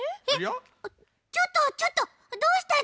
ちょっとちょっとどうしたち？